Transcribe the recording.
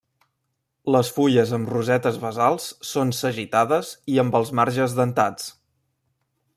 Les fulles en rosetes basals són sagitades i amb els marges dentats.